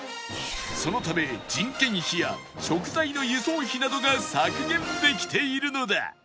そのため人件費や食材の輸送費などが削減できているのだ